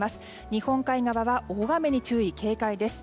日本海側は大雨に注意・警戒です。